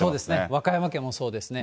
和歌山県もそうですね。